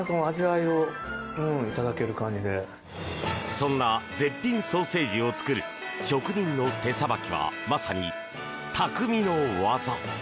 そんな絶品ソーセージを作る職人の手さばきはまさにたくみの技。